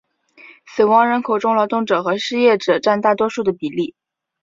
死亡人口中劳动者和失业者占大多数的比例。